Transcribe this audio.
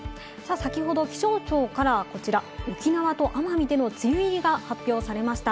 先ほど気象庁から、こちら、沖縄と奄美での梅雨入りが発表されました。